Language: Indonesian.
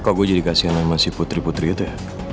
kok gue jadi kasihan sama si putri putri itu ya